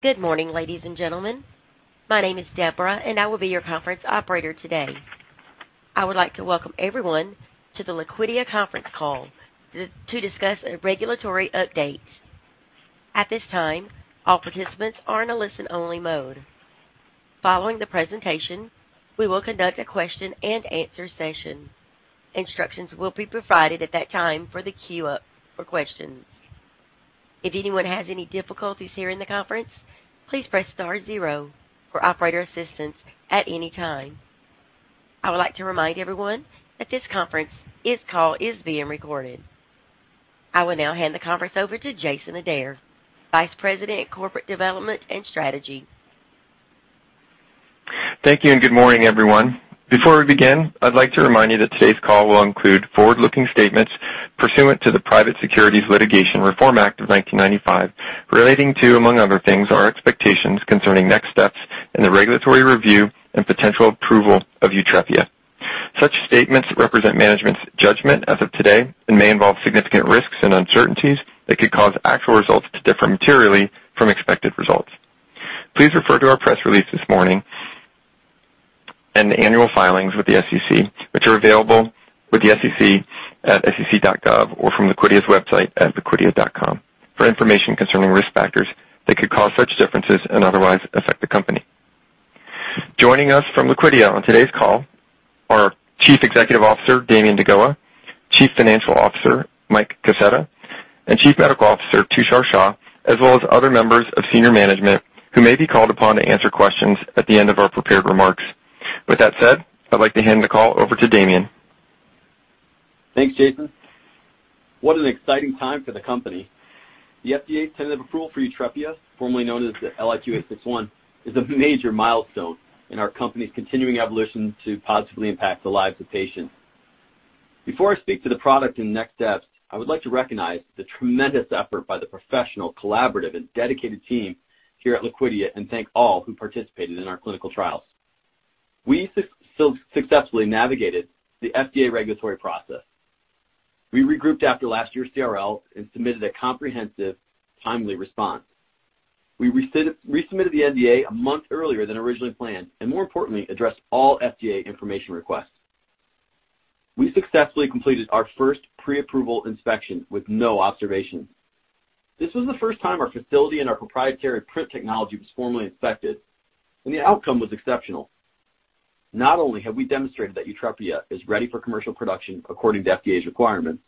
Good morning, ladies and gentlemen. My name is Deborah, and I will be your conference operator today. I would like to welcome everyone to the Liquidia conference call to discuss a regulatory update. At this time, all participants are in a listen-only mode. Following the presentation, we will conduct a question and answer session. Instructions will be provided at that time for the queue up for questions. If anyone has any difficulties hearing the conference, please press star zero for operator assistance at any time. I would like to remind everyone that this conference call is being recorded. I will now hand the conference over to Jason Adair, Vice President, Corporate Development and Strategy. Thank you and good morning, everyone. Before we begin, I'd like to remind you that today's call will include forward-looking statements pursuant to the Private Securities Litigation Reform Act of 1995 relating to, among other things, our expectations concerning next steps in the regulatory review and potential approval of YUTREPIA. Such statements represent management's judgment as of today and may involve significant risks and uncertainties that could cause actual results to differ materially from expected results. Please refer to our press release this morning and the annual filings with the SEC, which are available with the SEC at sec.gov or from Liquidia's website at liquidia.com for information concerning risk factors that could cause such differences and otherwise affect the company. Joining us from Liquidia on today's call are Chief Executive Officer Damian deGoa, Chief Financial Officer Mike Kaseta, and Chief Medical Officer Tushar Shah, as well as other members of senior management who may be called upon to answer questions at the end of our prepared remarks. With that said, I'd like to hand the call over to Damian. Thanks, Jason. What an exciting time for the company. The FDA's tentative approval for YUTREPIA, formerly known as LIQ861, is a major milestone in our company's continuing evolution to positively impact the lives of patients. Before I speak to the product and next steps, I would like to recognize the tremendous effort by the professional, collaborative, and dedicated team here at Liquidia and thank all who participated in our clinical trials. We successfully navigated the FDA regulatory process. We regrouped after last year's CRL and submitted a comprehensive, timely response. We resubmitted the NDA a month earlier than originally planned and more importantly, addressed all FDA information requests. We successfully completed our first pre-approval inspection with no observation. This was the first time our facility and our proprietary PRINT technology was formally inspected, and the outcome was exceptional. Not only have we demonstrated that YUTREPIA is ready for commercial production according to FDA's requirements,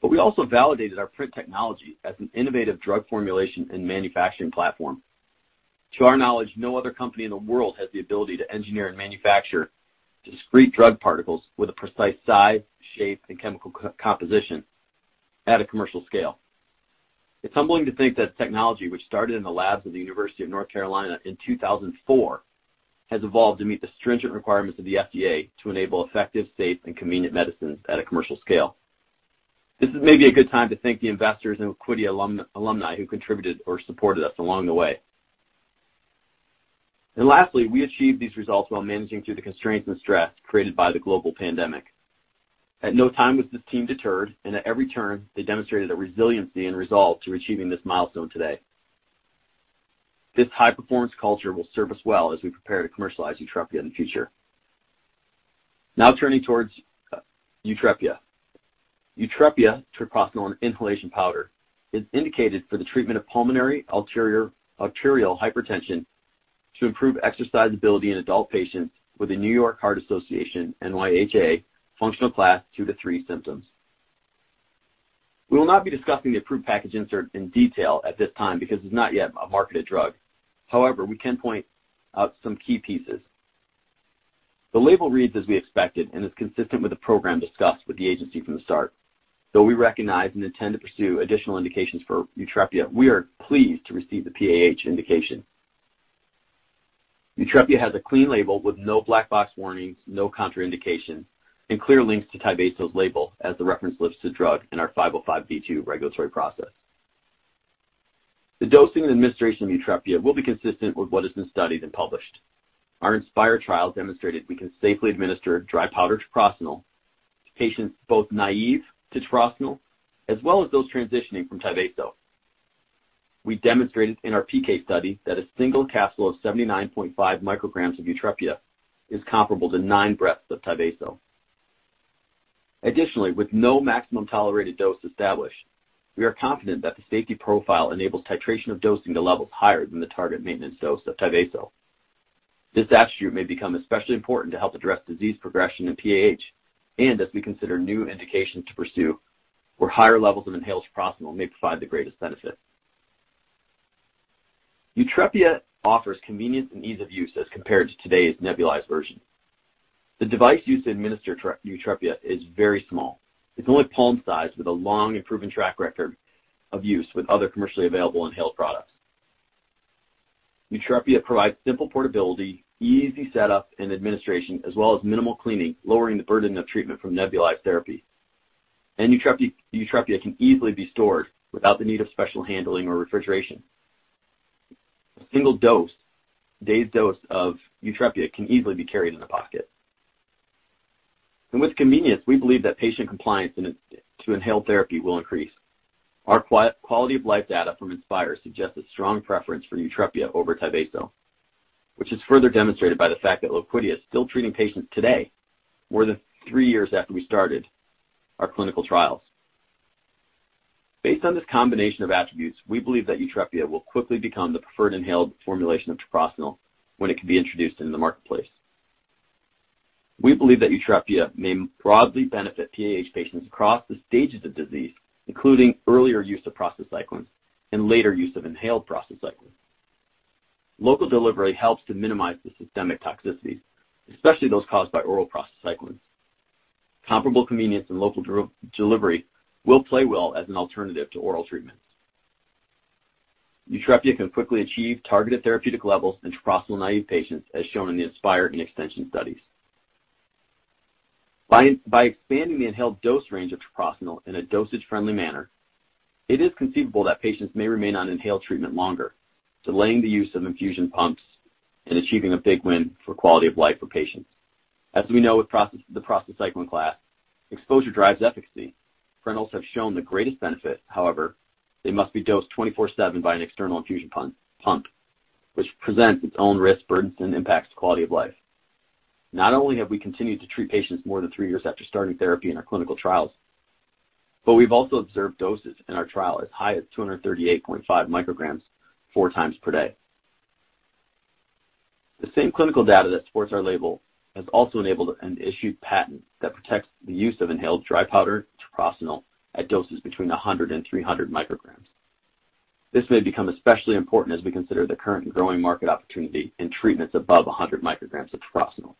but we also validated our PRINT technology as an innovative drug formulation and manufacturing platform. To our knowledge, no other company in the world has the ability to engineer and manufacture discrete drug particles with a precise size, shape, and chemical co-composition at a commercial scale. It's humbling to think that technology which started in the labs of the University of North Carolina in 2004 has evolved to meet the stringent requirements of the FDA to enable effective, safe, and convenient medicines at a commercial scale. This is maybe a good time to thank the investors and equity alumni who contributed or supported us along the way. Lastly, we achieved these results while managing through the constraints and stress created by the global pandemic. At no time was this team deterred, and at every turn they demonstrated a resiliency and resolve to achieving this milestone today. This high-performance culture will serve us well as we prepare to commercialize YUTREPIA in the future. Now turning towards YUTREPIA. YUTREPIA treprostinil inhalation powder is indicated for the treatment of pulmonary arterial hypertension to improve exercise ability in adult patients with a New York Heart Association NYHA functional Class two to three symptoms. We will not be discussing the approved package insert in detail at this time because it's not yet a marketed drug. However, we can point out some key pieces. The label reads as we expected and is consistent with the program discussed with the agency from the start. Though we recognize and intend to pursue additional indications for YUTREPIA, we are pleased to receive the PAH indication. YUTREPIA has a clean label with no black box warnings, no contraindication, and clear links to Tyvaso's label as the reference lists the drug in our 505(b)(2) regulatory process. The dosing and administration of YUTREPIA will be consistent with what has been studied and published. Our INSPIRE trial demonstrated we can safely administer dry powder treprostinil to patients both naive to treprostinil, as well as those transitioning from Tyvaso. We demonstrated in our PK study that a single capsule of 79.5 micrograms of YUTREPIA is comparable to nine breaths of Tyvaso. Additionally, with no maximum tolerated dose established, we are confident that the safety profile enables titration of dosing to levels higher than the target maintenance dose of Tyvaso. This attribute may become especially important to help address disease progression in PAH and as we consider new indications to pursue where higher levels of inhaled treprostinil may provide the greatest benefit. YUTREPIA offers convenience and ease of use as compared to today's nebulized version. The device used to administer YUTREPIA is very small. It's only palm sized with a long and proven track record of use with other commercially available inhaled products. YUTREPIA provides simple portability, easy setup and administration, as well as minimal cleaning, lowering the burden of treatment from nebulized therapy. YUTREPIA can easily be stored without the need of special handling or refrigeration. A single dose, day's dose of YUTREPIA can easily be carried in a pocket. With convenience, we believe that patient compliance into inhaled therapy will increase. Our quality of life data from INSPIRE suggests a strong preference for YUTREPIA over Tyvaso, which is further demonstrated by the fact that Liquidia is still treating patients today, more than three years after we started our clinical trials. Based on this combination of attributes, we believe that YUTREPIA will quickly become the preferred inhaled formulation of treprostinil when it can be introduced into the marketplace. We believe that YUTREPIA may broadly benefit PAH patients across the stages of disease, including earlier use of prostacyclins and later use of inhaled prostacyclins. Local delivery helps to minimize the systemic toxicities, especially those caused by oral prostacyclins. Comparable convenience and local delivery will play well as an alternative to oral treatments. YUTREPIA can quickly achieve targeted therapeutic levels in treprostinil-naive patients, as shown in the INSPIRE and extension studies. By expanding the inhaled dose range of treprostinil in a dosage-friendly manner, it is conceivable that patients may remain on inhaled treatment longer, delaying the use of infusion pumps and achieving a big win for quality of life for patients. As we know with the prostacyclin class, exposure drives efficacy. Parenterals have shown the greatest benefit, however, they must be dosed 24/7 by an external infusion pump, which presents its own risk, burdens, and impacts quality of life. Not only have we continued to treat patients more than three years after starting therapy in our clinical trials, but we've also observed doses in our trial as high as 238.5 micrograms four times per day. The same clinical data that supports our label has also enabled an issued patent that protects the use of inhaled dry powder treprostinil at doses between 100 and 300 micrograms. This may become especially important as we consider the current and growing market opportunity in treatments above 100 micrograms of treprostinil.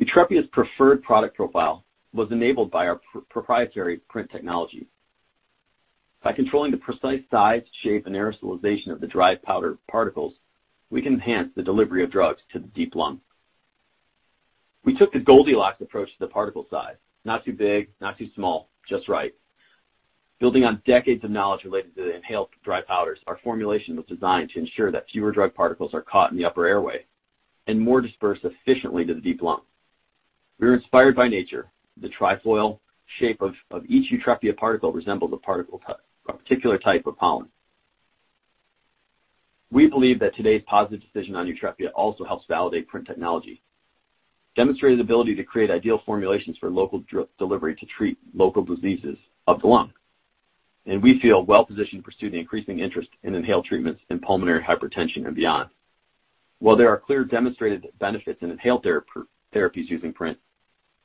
YUTREPIA's preferred product profile was enabled by our proprietary PRINT technology. By controlling the precise size, shape, and aerosolization of the dry powder particles, we can enhance the delivery of drugs to the deep lung. We took the Goldilocks approach to the particle size. Not too big, not too small, just right. Building on decades of knowledge related to the inhaled dry powders, our formulation was designed to ensure that fewer drug particles are caught in the upper airway and more dispersed efficiently to the deep lung. We were inspired by nature. The trefoil shape of each YUTREPIA particle resembles a particular type of pollen. We believe that today's positive decision on YUTREPIA also helps validate PRINT technology, demonstrating the ability to create ideal formulations for local drug delivery to treat local diseases of the lung. We feel well positioned to pursue the increasing interest in inhaled treatments in pulmonary hypertension and beyond. While there are clear demonstrated benefits in inhaled therapies using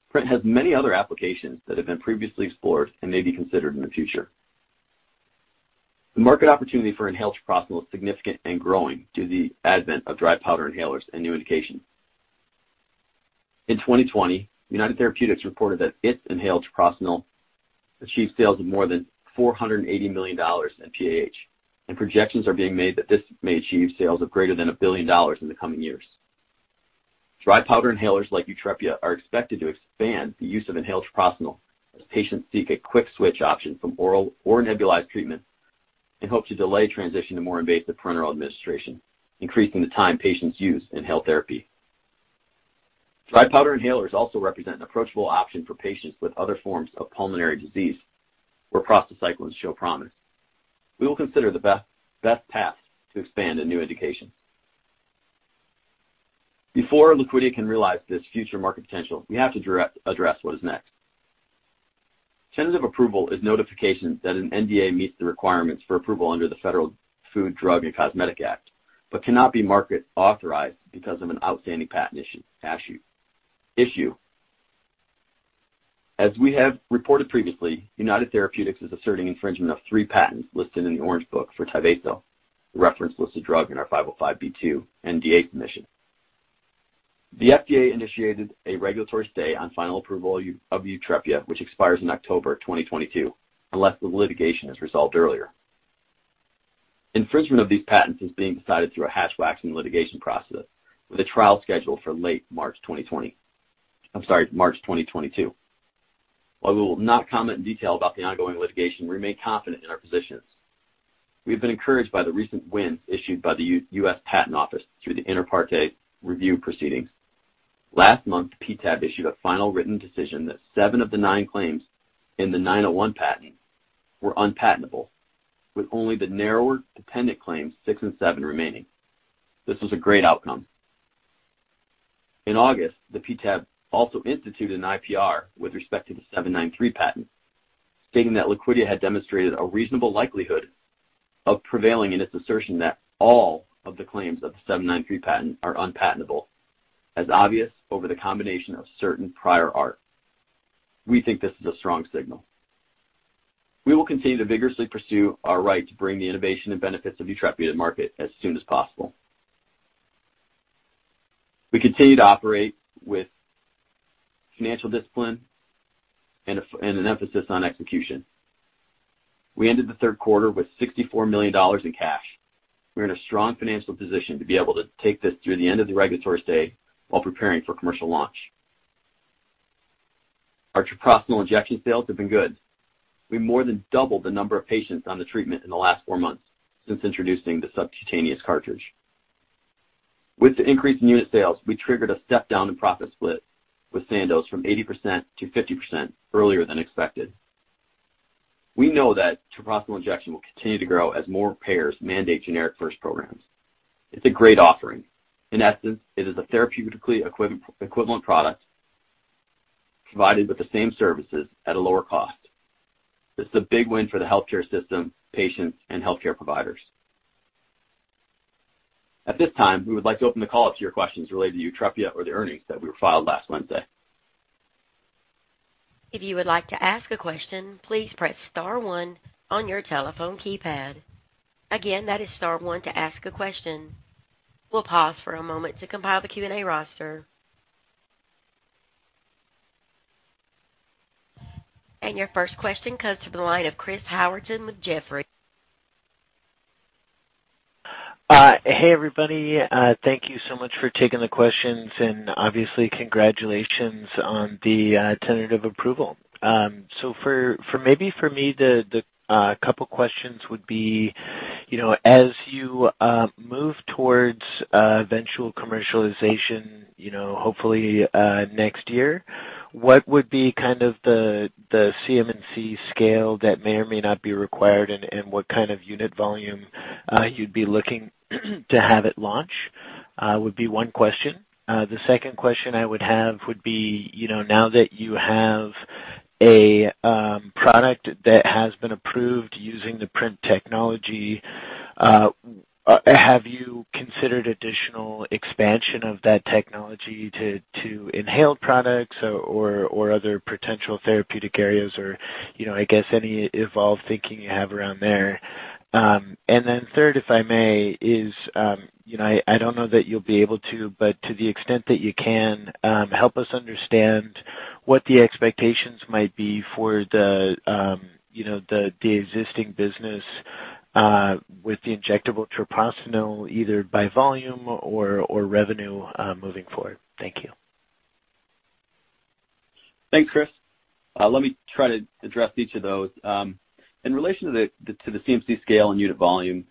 PRINT has many other applications that have been previously explored and may be considered in the future. The market opportunity for inhaled treprostinil is significant and growing due to the advent of dry powder inhalers and new indications. In 2020, United Therapeutics reported that its inhaled treprostinil achieved sales of more than $480 million in PAH, and projections are being made that this may achieve sales of greater than $1 billion in the coming years. Dry powder inhalers like YUTREPIA are expected to expand the use of inhaled treprostinil as patients seek a quick switch option from oral or nebulized treatments and hope to delay transition to more invasive parenteral administration, increasing the time patients use inhaled therapy. Dry powder inhalers also represent an approachable option for patients with other forms of pulmonary disease where prostacyclins show promise. We will consider the best path to expand in new indications. Before Liquidia can realize this future market potential, we have to address what is next. Tentative approval is notification that an NDA meets the requirements for approval under the Federal Food, Drug, and Cosmetic Act, but cannot be market authorized because of an outstanding patent issue, Hatch issue. As we have reported previously, United Therapeutics is asserting infringement of three patents listed in the Orange Book for Tyvaso, the reference listed drug in our 505(b)(2) NDA submission. The FDA initiated a regulatory stay on final approval of YUTREPIA, which expires in October 2022, unless the litigation is resolved earlier. Infringement of these patents is being decided through a Hatch-Waxman litigation process, with a trial scheduled for late March 2022. While we will not comment in detail about the ongoing litigation, we remain confident in our positions. We've been encouraged by the recent wins issued by the U.S. Patent Office through the inter partes review proceedings. Last month, PTAB issued a final written decision that seven of the nine claims in the 901 patent were unpatentable, with only the narrower dependent claims six and seven remaining. This was a great outcome. In August, the PTAB also instituted an IPR with respect to the 793 patent, stating that Liquidia had demonstrated a reasonable likelihood of prevailing in its assertion that all of the claims of the 793 patent are unpatentable as obvious over the combination of certain prior art. We think this is a strong signal. We will continue to vigorously pursue our right to bring the innovation and benefits of YUTREPIA to market as soon as possible. We continue to operate with financial discipline and an emphasis on execution. We ended the third quarter with $64 million in cash. We are in a strong financial position to be able to take this through the end of the regulatory stay while preparing for commercial launch. Our Treprostinil Injection sales have been good. We more than doubled the number of patients on the treatment in the last four months since introducing the subcutaneous cartridge. With the increase in unit sales, we triggered a step down in profit split with Sandoz from 80%-50% earlier than expected. We know that Treprostinil Injection will continue to grow as more payers mandate generic first programs. It's a great offering. In essence, it is a therapeutically equivalent product provided with the same services at a lower cost. This is a big win for the healthcare system, patients, and healthcare providers. At this time, we would like to open the call up to your questions related to YUTREPIA or the earnings that we filed last Wednesday. If you would like to ask a question, please press star one on your telephone keypad. Again, that is star one to ask a question. We'll pause for a moment to compile the Q&A roster. Your first question comes from the line of Chris Howerton with Jefferies. Hey, everybody. Thank you so much for taking the questions, and obviously, congratulations on the tentative approval. So for me, the couple questions would be, you know, as you move towards eventual commercialization, you know, hopefully next year, what would be kind of the CMC scale that may or may not be required and what kind of unit volume you'd be looking to have at launch would be one question. The second question I would have would be, you know, now that you have a product that has been approved using the PRINT® Technology, have you considered additional expansion of that technology to inhaled products or other potential therapeutic areas or, you know, I guess any evolved thinking you have around there? Third, if I may, you know, I don't know that you'll be able to, but to the extent that you can, help us understand what the expectations might be for the existing business with the injectable treprostinil, either by volume or revenue, moving forward. Thank you. Thanks, Chris. Let me try to address each of those. In relation to the CMC scale and unit volume,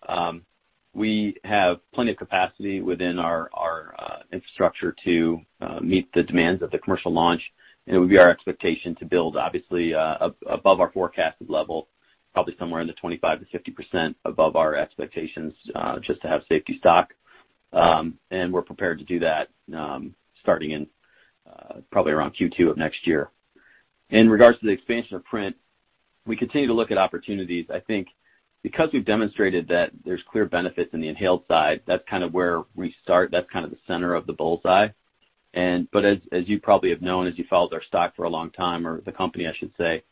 we have plenty of capacity within our infrastructure to meet the demands of the commercial launch, and it would be our expectation to build obviously above our forecasted level, probably somewhere in the 25%-50% above our expectations just to have safety stock. We're prepared to do that starting in probably around Q2 of next year. In regards to the expansion of PRINT, we continue to look at opportunities. I think because we've demonstrated that there's clear benefits in the inhaled side, that's kind of where we start. That's kind of the center of the bull's-eye. But as you probably have known, as you followed our stock for a long time or the company, I should say,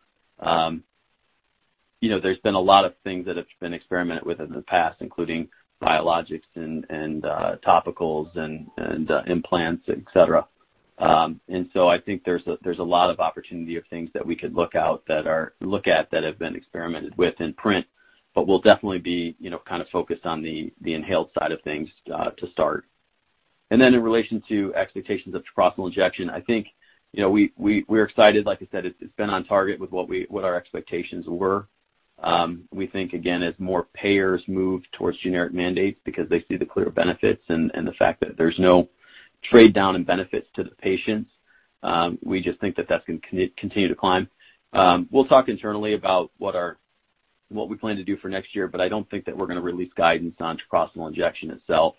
you know, there's been a lot of things that have been experimented with in the past, including biologics and topicals and implants, et cetera. I think there's a lot of opportunity of things that we could look at that have been experimented with in PRINT. But we'll definitely be, you know, kind of focused on the inhaled side of things to start. In relation to expectations of treprostinil injection, I think, you know, we're excited. Like I said, it's been on target with what our expectations were. We think, again, as more payers move towards generic mandates because they see the clear benefits and the fact that there's no trade down in benefits to the patients, we just think that that's gonna continue to climb. We'll talk internally about what we plan to do for next year, but I don't think that we're gonna release guidance on Treprostinil Injection itself.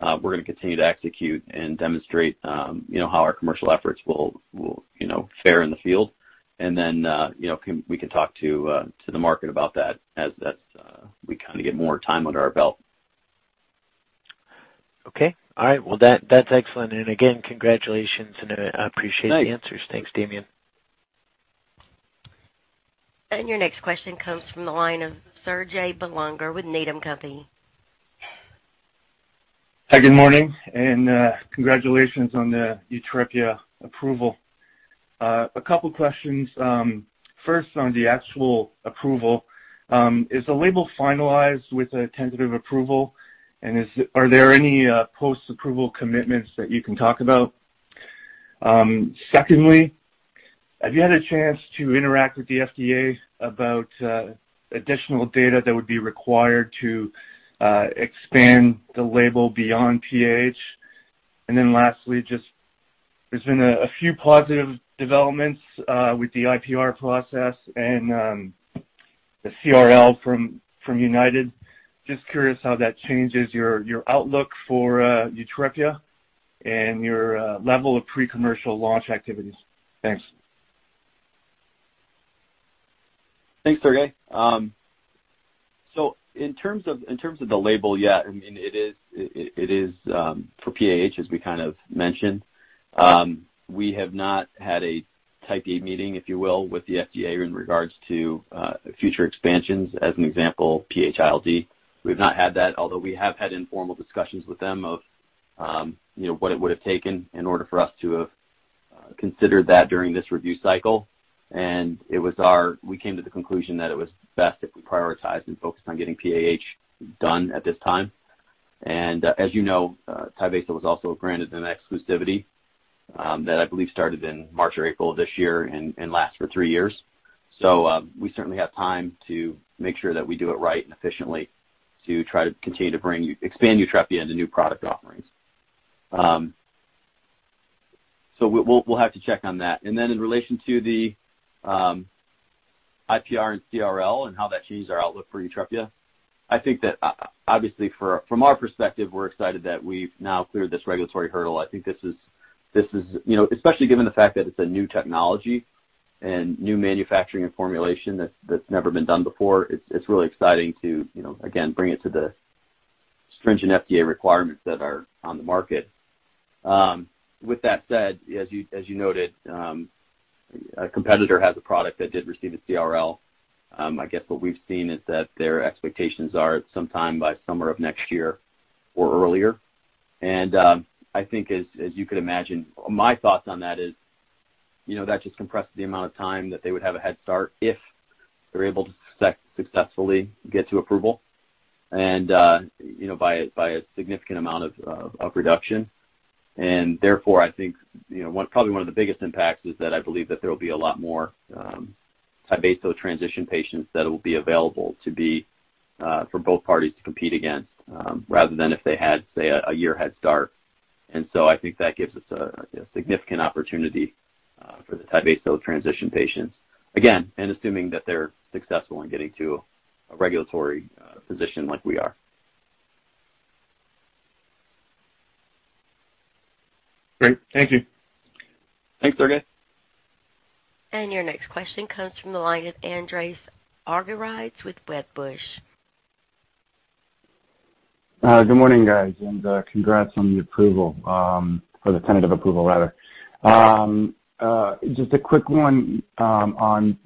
We're gonna continue to execute and demonstrate, you know, how our commercial efforts will, you know, fare in the field. You know, we can talk to the market about that as we kind of get more time under our belt. Okay. All right. Well, that's excellent. Again, congratulations, and I appreciate the answers. Thanks. Thanks, Damian. Your next question comes from the line of Serge Belanger with Needham & Company. Hi, good morning, and congratulations on the YUTREPIA approval. A couple questions. First on the actual approval, is the label finalized with a tentative approval, and are there any post-approval commitments that you can talk about? Secondly, have you had a chance to interact with the FDA about additional data that would be required to expand the label beyond PH? Lastly, just there's been a few positive developments with the IPR process and the CRL from United. Just curious how that changes your outlook for YUTREPIA and your level of pre-commercial launch activities. Thanks. Thanks, Serge. So in terms of the label, yeah, I mean, it is for PAH, as we kind of mentioned. We have not had a Type A meeting, if you will, with the FDA in regards to future expansions, as an example, PH-ILD. We've not had that, although we have had informal discussions with them of you know, what it would have taken in order for us to have considered that during this review cycle. We came to the conclusion that it was best if we prioritized and focused on getting PAH done at this time. As you know, Tyvaso was also granted an exclusivity that I believe started in March or April of this year and lasts for three years. We certainly have time to make sure that we do it right and efficiently to try to continue to expand YUTREPIA into new product offerings. We'll have to check on that. In relation to the IPR and CRL and how that changes our outlook for YUTREPIA, I think that obviously from our perspective, we're excited that we've now cleared this regulatory hurdle. I think this is, you know, especially given the fact that it's a new technology and new manufacturing and formulation that's never been done before, it's really exciting to, you know, again, bring it to the stringent FDA requirements that are on the market. With that said, as you noted, a competitor has a product that did receive a CRL. I guess what we've seen is that their expectations are at sometime by summer of next year or earlier. I think as you could imagine, my thoughts on that is, you know, that just compressed the amount of time that they would have a head start if they're able to successfully get to approval and, you know, by a significant amount of reduction. Therefore, I think, you know, probably one of the biggest impacts is that I believe that there will be a lot more Tyvaso transition patients that will be available to be for both parties to compete against, rather than if they had, say, a year head start. I think that gives us a significant opportunity for the Tyvaso transition patients. Again, assuming that they're successful in getting to a regulatory position like we are. Great. Thank you. Thanks, Serge. Your next question comes from the line of Andreas Argyrides with Wedbush. Good morning, guys, and congrats on the approval, or the tentative approval rather. Just a quick one on,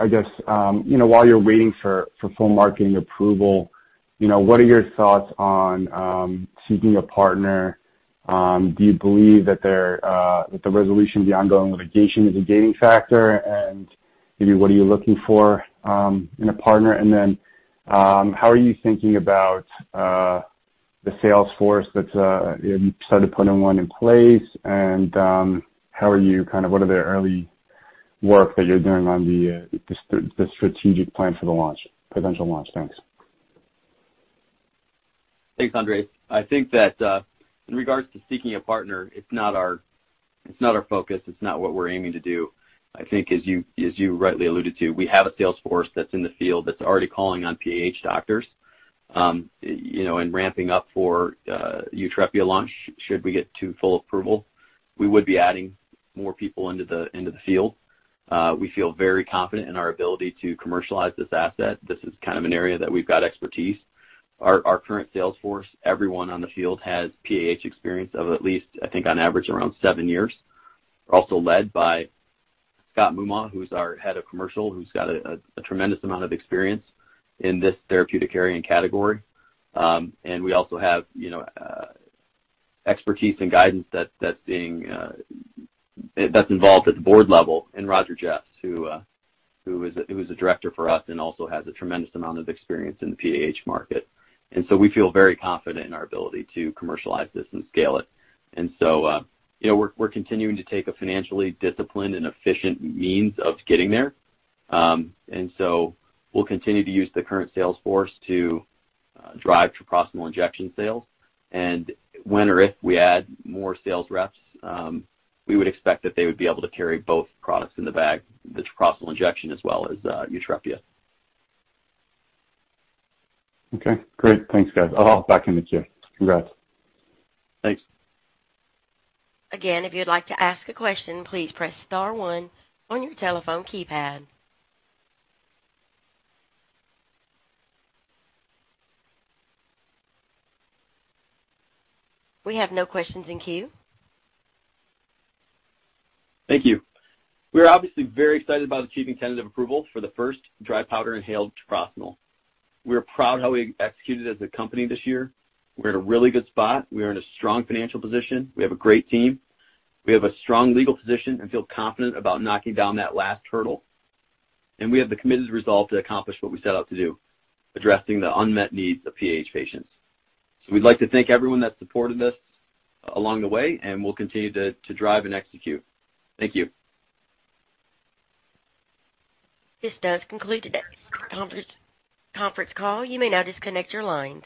I guess, you know, while you're waiting for full marketing approval, you know, what are your thoughts on seeking a partner? Do you believe that the resolution of the ongoing litigation is a gating factor? Maybe what are you looking for in a partner? Then, how are you thinking about the sales force that's you started putting one in place, and how are you kind of what are the early work that you're doing on the strategic plan for the launch, potential launch? Thanks. Thanks, Andreas. I think that in regards to seeking a partner, it's not our focus, it's not what we're aiming to do. I think as you rightly alluded to, we have a sales force that's in the field that's already calling on PAH doctors and ramping up for YUTREPIA launch should we get to full approval. We would be adding more people into the field. We feel very confident in our ability to commercialize this asset. This is kind of an area that we've got expertise. Our current sales force, everyone on the field has PAH experience of at least, I think on average, around seven years. Also led by Scott Moomaw, who's our head of commercial, who's got a tremendous amount of experience in this therapeutic area and category. We also have, you know, expertise and guidance that's involved at the board level in Roger Jeffs, who is a director for us and also has a tremendous amount of experience in the PAH market. We feel very confident in our ability to commercialize this and scale it. You know, we're continuing to take a financially disciplined and efficient means of getting there. We'll continue to use the current sales force to drive Treprostinil Injection sales. When or if we add more sales reps, we would expect that they would be able to carry both products in the bag, the Treprostinil Injection as well as YUTREPIA. Okay, great. Thanks, guys. I'll hop back in the queue. Congrats. Thanks. Again, if you'd like to ask a question, please press star one on your telephone keypad. We have no questions in queue. Thank you. We are obviously very excited about achieving tentative approval for the first dry powder inhaled treprostinil. We are proud how we executed as a company this year. We're in a really good spot. We are in a strong financial position. We have a great team. We have a strong legal position and feel confident about knocking down that last hurdle. We have the committed resolve to accomplish what we set out to do, addressing the unmet needs of PAH patients. We'd like to thank everyone that supported us along the way, and we'll continue to drive and execute. Thank you. This does conclude today's conference call. You may now disconnect your lines.